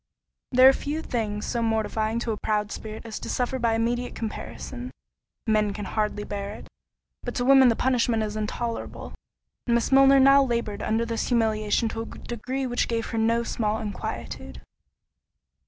There are few things so mortifying to a proud spirit as to suffer by immediate comparison—men can hardly bear it, but to women the punishment is intolerable; and Miss Milner now laboured under this humiliation to a degree which gave her no small inquietude.